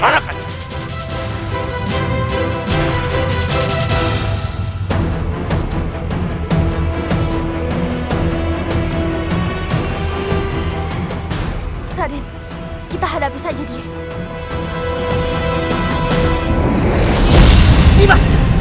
raden kita hadapi saja dia